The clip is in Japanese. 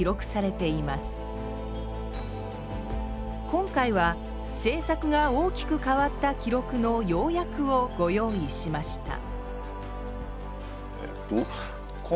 今回は政策が大きく変わった記録の要約をご用意しました。